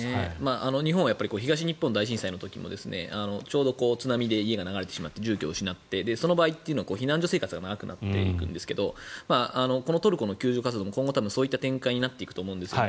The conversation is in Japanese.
日本は東日本大震災の時もちょうど津波で家が流れてしまって住居を失ってその場合は避難所生活が長くなっていくんですがこのトルコの救助活動も今後そういった展開になっていくと思うんですよね。